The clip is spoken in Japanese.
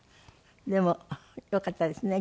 でもよかったですね